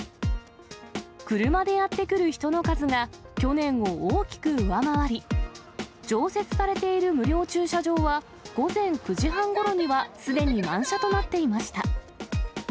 車でやって来る人の数が去年を大きく上回り、常設されている無料駐車場は午前９時半ごろにはすでに満車となっていました。